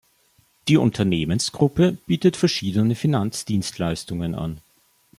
Die Unternehmensgruppe bietet verschiedene Finanzdienstleistungen an.